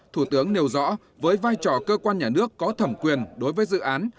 thủ tướng nêu rõ với vai trò cơ quan nhà nước có thẩm quyền đối với dự án